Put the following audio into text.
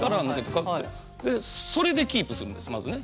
それでキープするんですまずね。